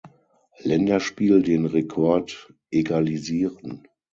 Länderspiel den Rekord egalisieren.